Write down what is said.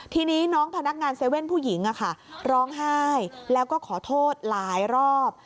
ทีนี้น้องพนักงาน๗๑๑ผู้หญิงร้องไห้แล้วก็ขอโทษหลายรอบ